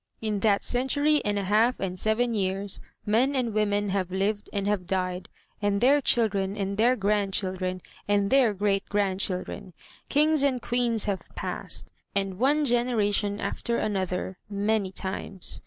In that century and a half and seven years men and women have lived and have died, and their children and their grandchildren and their great grandchildren; kings and queens have passed, and one gener ation after another, many times.